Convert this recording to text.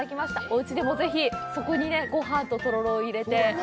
おうちでも、ぜひそこにごはんと、とろろを入れて。